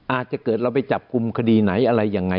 อาจจะเกิดว่าเราไปจับคุมคดีไหนอะไรอย่างไร